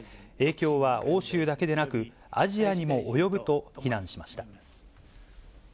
影響は欧州だけでなく、アジアにも及ぶと非難しました。